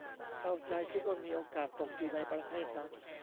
เศร้าใจ คิดว่ามีโอกาสตกอยู่ในประเภทนั้น